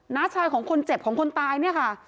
้าชายของคนเจ็บของคนตายเนี่ยค่ะ